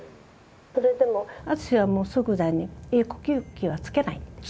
それでもアツシはもう即座に「呼吸器はつけない」と。